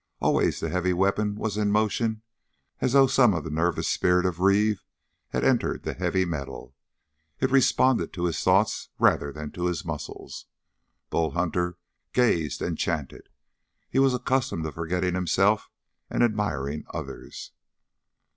Always the heavy weapon was in motion as though some of the nervous spirit of Reeve had entered the heavy metal. It responded to his thoughts rather than to his muscles. Bull Hunter gazed enchanted. He was accustomed to forgetting himself and admiring others.